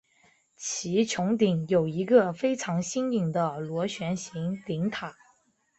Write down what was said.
其穹顶有一个非常新颖的螺旋形顶塔。